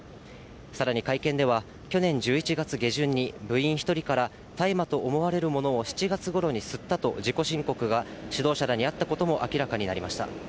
さらに会見では、去年１１月下旬に、部員１人から大麻と思われるものを７月ごろに吸ったと自己申告が、指導者らにあったことも明らかになりました。